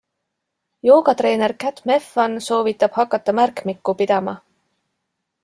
Joogatreener Cat Meffan soovitab hakata märkmikku pidama.